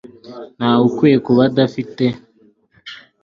Ntawe ukwiye kuba adafite